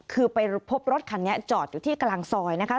คือไปพบรถคันนี้จอดอยู่ที่กลางซอยนะคะ